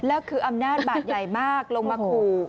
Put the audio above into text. แล้วคืออำนาจบาดใหญ่มากลงมาขู่